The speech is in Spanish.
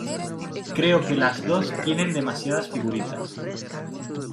Creo que las dos tienen demasiadas figuritas.